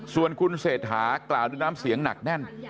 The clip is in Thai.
ส่วนคุณเศรษฐากล่าวด้วยน้ำเสียงหนักแน่น